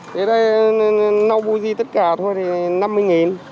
thế đây nâu bui gì tất cả thôi thì năm mươi nghìn